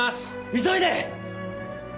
急いで！